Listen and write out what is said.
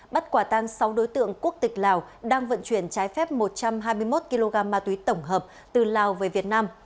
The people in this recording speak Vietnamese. bắt quả tang sáu đối tượng quốc tịch lào đang vận chuyển trái phép một trăm hai mươi một kg ma túy tổng hợp từ lào về việt nam